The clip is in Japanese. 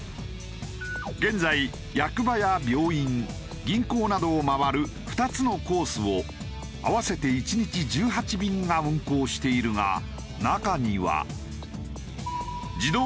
現在役場や病院銀行などを回る２つのコースを合わせて１日１８便が運行しているが中には。